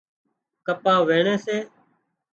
ڪپا وينڻي سي